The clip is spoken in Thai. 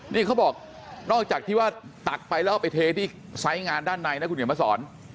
นี่เขาบอกนอกจากที่ว่าตักไปแล้วเอาไปเทที่ไซส์งานด้านในนะคุณเขียนมาสอน